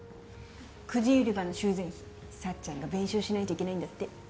くじ売り場の修繕費幸ちゃんが弁償しないといけないんだって。